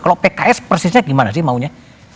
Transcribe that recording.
kalau pks persisnya gimana sih maunya